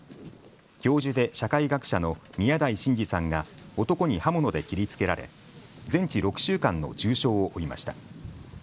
教授で社会学者の宮台真司さんが男に刃物で切りつけられ全治６週間の重傷を負いました。